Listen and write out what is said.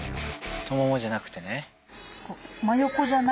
太ももじゃなくてね。